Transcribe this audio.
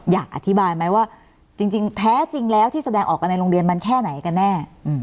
อยากอธิบายไหมว่าจริงแท้จริงแล้วที่แสดงออกกันในโรงเรียนมันแค่ไหนกันแน่